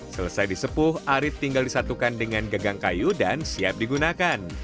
selesai disepuh arit tinggal disatukan dengan gagang kayu dan siap digunakan